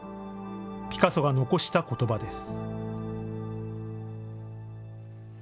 ピカソが残したことばです。